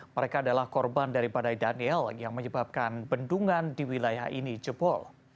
mereka adalah korban dari badai daniel yang menyebabkan bendungan di wilayah ini jebol